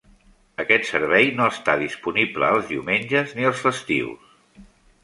Aquest servei no està disponible els diumenges ni els festius.